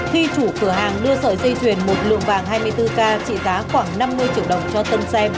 khi chủ cửa hàng đưa sợi dây thuyền một lượng vàng hai mươi bốn k trị giá khoảng năm mươi triệu đồng cho tân xem